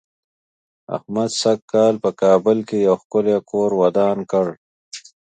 احمد سږ کال په کابل کې یو ښکلی کور ودان کړ.